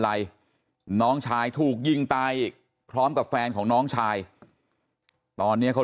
อะไรน้องชายถูกยิงตายอีกพร้อมกับแฟนของน้องชายตอนนี้เขา